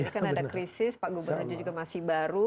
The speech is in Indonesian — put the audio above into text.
jadi kan ada krisis pak gubernur juga masih baru